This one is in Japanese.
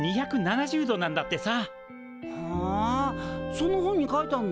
その本に書いてあんの？